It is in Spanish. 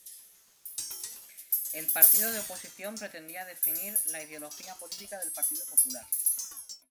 El partido de oposición pretendía definir la ideología política del Partido Popular.